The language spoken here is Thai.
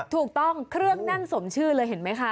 ถูกต้องเครื่องแน่นสมชื่อเลยเห็นไหมคะ